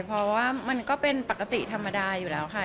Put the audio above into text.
เพราะว่ามันก็เป็นปกติธรรมดาอยู่แล้วค่ะ